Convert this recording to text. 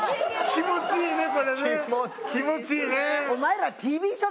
気持ちいいですね！